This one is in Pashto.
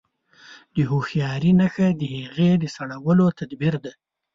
د هوښياري نښه د هغې د سړولو تدبير دی.